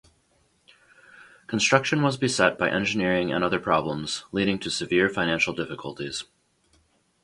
Construction was beset by engineering and other problems, leading to severe financial difficulties.